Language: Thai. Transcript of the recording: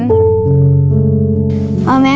พ่อแม่ก็ทิ้งผมไปตั้งแต่เล็ก